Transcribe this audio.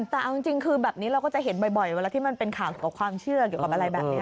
แปมตามทั้งจริงคือแบบนี้เราก็จะเห็นบ่อยเวลาที่มันเป็นขาดเกี่ยวกับความเชื่อ